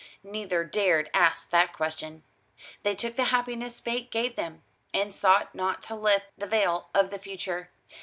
Neither dared ask that question. They took the happiness fate gave them, and sought not to lift the veil of the future.